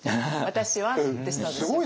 「私は」ってしたんですよ。